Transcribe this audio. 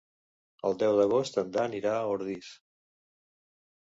El deu d'agost en Dan irà a Ordis.